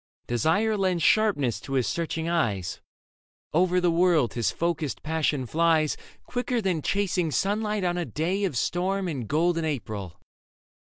Desire lends sharpness to his searching eyes ; Over the world his focused passion flies Quicker than chasing sunlight on a day Of storm and golden April.